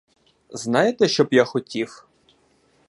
Знаєте, що б я хотів?